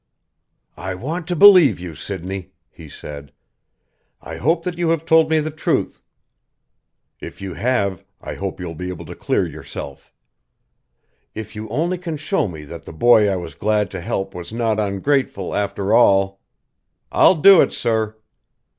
"I want to believe you, Sidney!" he said. "I hope that you have told me the truth. If you have, I hope you'll be able to clear yourself. If you only can show me that the boy I was glad to help was not ungrateful, after all " "I'll do it, sir!"